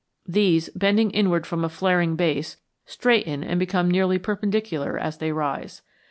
These, bending inward from a flaring base, straighten and become nearly perpendicular as they rise.